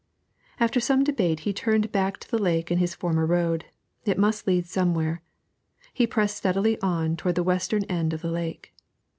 After some debate he turned back to the lake and his former road. It must lead somewhere; he pressed steadily on toward the western end of the lake.